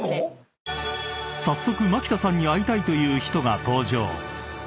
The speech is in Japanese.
［早速蒔田さんに会いたいという人が登場］